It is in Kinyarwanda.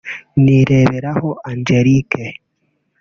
Nireberaho Angélique